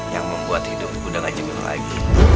yang membuat hidupku udah gak jauh lagi